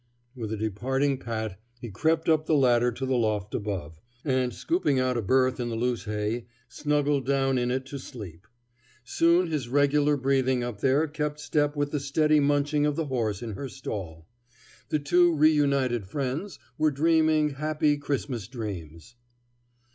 With a departing pat he crept up the ladder to the loft above, and, scooping out a berth in the loose hay, snuggled down in it to sleep. Soon his regular breathing up there kept step with the steady munching of the horse in her stall. The two reunited friends were dreaming happy Christmas dreams.